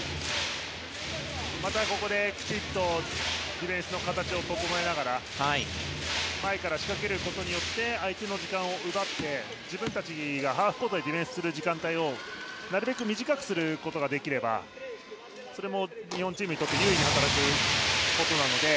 また、ここできちっとディフェンスの形を整えながら前から仕掛けることによって相手の時間を奪って自分たちがハーフコートでディフェンスする時間帯をなるべく短くすることができればそれも日本チームにとって優位に働くことなので。